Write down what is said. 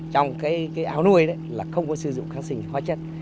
trong cái áo nuôi là không có sử dụng kháng sinh hoá chất